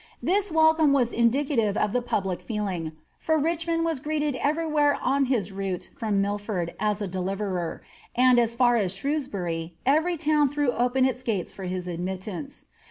This velcome was indicative of the public feeling, for Richmond was greeted eiery where on his route from Milford as a deliverer, and as far as Shrewsbury, every town threw open its gates for his admittance.